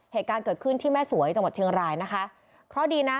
เหตุการณ์เกิดขึ้นที่แม่สวยจังหวัดเชียงรายนะคะเพราะดีนะ